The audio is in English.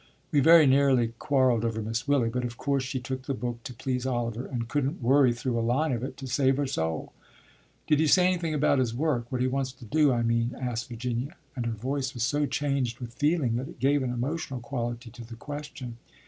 We very nearly quarrelled over Miss Willy, but of course she took the book to please Oliver and couldn't worry through a line of it to save her soul." "Did he say anything about his work? What he wants to do, I mean?" asked Virginia, and her voice was so charged with feeling that it gave an emotional quality to the question.